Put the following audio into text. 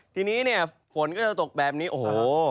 ทีนี้เนี่ยฝนก็จะตกแบบนี้โอ้โห